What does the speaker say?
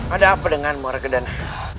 ada apa denganmu jenek